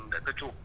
để tôi chụp